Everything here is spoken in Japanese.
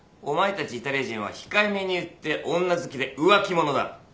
お前たちイタリア人は控えめに言って女好きで浮気者だ。